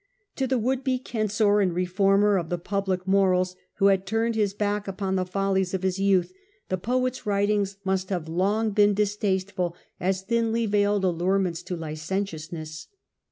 To the would be censor and reformer of the public morals, who had turned his back upon the follies of his youth, the poet's writings must have been long distasteful, as thinly veiled allurements to licentiousness.